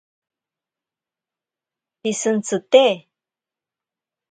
Pishintsite.